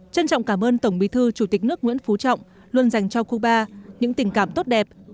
trân trọng cảm ơn tổng bí thư chủ tịch nước nguyễn phú trọng luôn dành cho cuba những tình cảm tốt đẹp